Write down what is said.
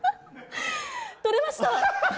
取れました！